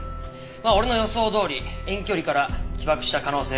まあ俺の予想どおり遠距離から起爆した可能性が出ちゃったわけで。